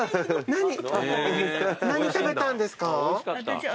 何食べたんですか？